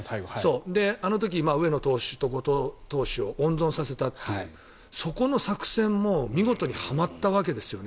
あの時上野投手と後藤投手を温存させたそこの作戦も見事にはまったわけですよね。